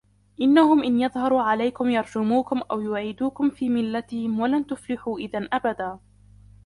إِنَّهُمْ إِنْ يَظْهَرُوا عَلَيْكُمْ يَرْجُمُوكُمْ أَوْ يُعِيدُوكُمْ فِي مِلَّتِهِمْ وَلَنْ تُفْلِحُوا إِذًا أَبَدًا